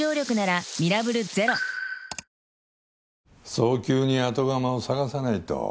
早急に後釜を探さないと。